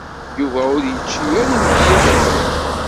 Yuba ur yečči ara imekli iḍelli.